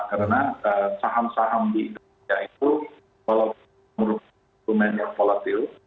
karena saham saham di indonesia itu menurut saya instrumen yang volatil